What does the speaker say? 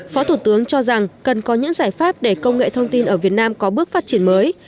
phó thủ tướng cho rằng cần có những giải pháp để công nghệ thông tin ở việt nam có bước phát triển mới